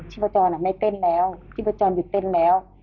ชิบประจอนไม่เต้นแล้วชิบประจอนหยุดเต้นแล้ว